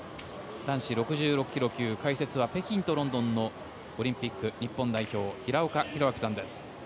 男子６６ｋｇ級解説は北京とロンドンのオリンピック日本代表平岡拓晃さんです。